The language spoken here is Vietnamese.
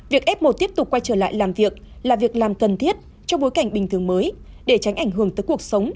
việc f một tiếp tục quay trở lại làm việc là việc làm cần thiết trong bối cảnh bình thường mới để tránh ảnh hưởng tới cuộc sống